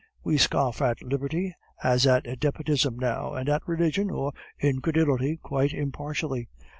We scoff at liberty as at despotism now, and at religion or incredulity quite impartially.